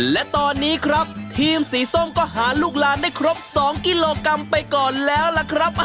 และตอนนี้ครับทีมสีส้มก็หาลูกหลานได้ครบ๒กิโลกรัมไปก่อนแล้วล่ะครับ